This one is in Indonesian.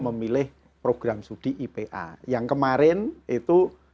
memilih program sudi ipa yang kemarin yang kemarin ini adalah program sudi ipa di terhadap sma